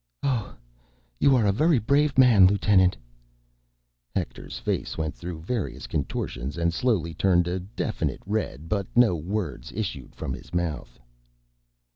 "Oh—You are a very brave man, lieutenant." Hector's face went through various contortions and slowly turned a definite red, but no words issued from his mouth.